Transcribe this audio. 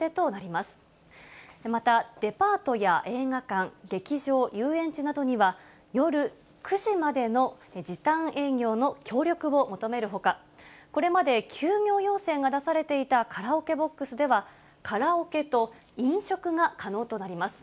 また、デパートや映画館、劇場、遊園地などには夜９時までの時短営業の協力を求めるほか、これまで休業要請が出されていたカラオケボックスでは、カラオケと飲食が可能となります。